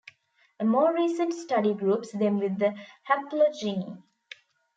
A more recent study groups them with the Haplogynae.